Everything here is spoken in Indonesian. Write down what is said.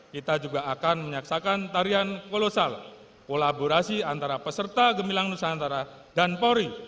kita juga akan menyaksikan tarian kolosal kolaborasi antara peserta gemilang nusantara dan pori